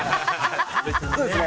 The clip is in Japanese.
そうですね。